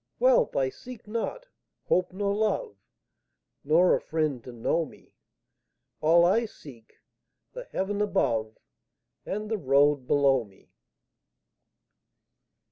Wealth I seek not, hope nor love, Nor a friend to know me; All I seek, the heaven above And the road below me.